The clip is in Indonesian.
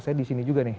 saya disini juga nih